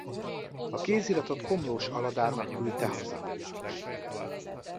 A kéziratot Komlós Aladárnak küldte haza.